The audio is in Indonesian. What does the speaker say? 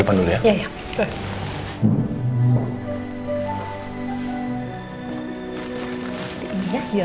sampai ketemu lagi